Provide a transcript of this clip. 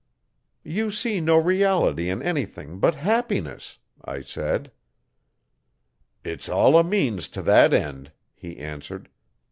'You see no reality in anything but happiness,' I said. 'It's all a means to that end,' he answered.